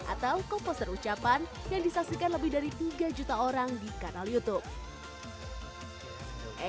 atau komposer ucapan yang disaksikan lebih dari tiga juta orang di kanal youtube